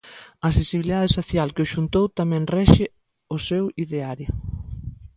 A sensibilidade social que os xuntou tamén rexe o seu ideario.